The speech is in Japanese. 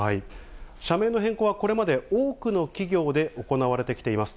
社名の変更は、これまで多くの企業で行われてきています。